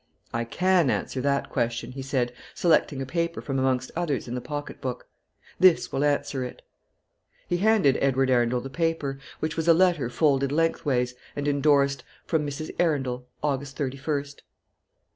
"I can answer that question," he said, selecting a paper from amongst others in the pocket book. "This will answer it." He handed Edward Arundel the paper, which was a letter folded lengthways, and indorsed, "From Mrs. Arundel, August 31st."